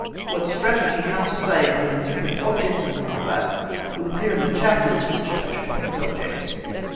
What Strategy has to say on the different objects of the combat will appear in the chapters which touch upon these objects.